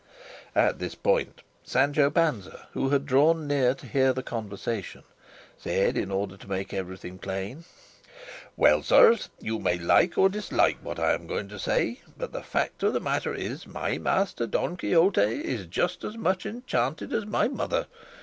At this point Sancho Panza, who had drawn near to hear the conversation, said, in order to make everything plain, "Well, sirs, you may like or dislike what I am going to say, but the fact of the matter is, my master, Don Quixote, is just as much enchanted as my mother.